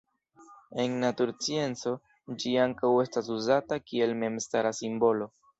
En naturscienco ĝi ankaŭ estas uzata kiel memstara simbolo.